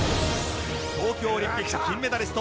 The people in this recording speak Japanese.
東京オリンピック金メダリスト